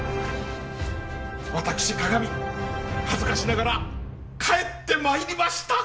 私各務恥ずかしながら帰ってまいりました！